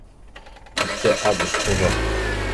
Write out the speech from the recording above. Ike a gosko ava.